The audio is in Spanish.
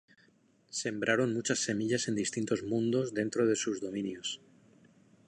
Sembraron muchas semillas en distintos mundos dentro de sus dominios.